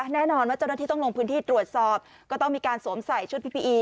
แน่นอนว่าเจ้าหน้าที่ต้องลงพื้นที่ตรวจสอบก็ต้องมีการสวมใส่ชุดพีพีอี